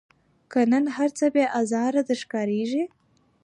که نن هرڅه بې آزاره در ښکاریږي